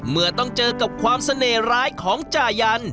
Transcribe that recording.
เมื่อต้องเจอกับความเสน่หร้ายของจ่ายัน